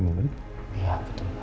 iya betul pak